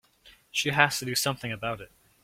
She has to do something about it.